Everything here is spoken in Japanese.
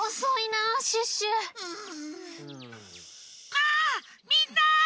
あみんな！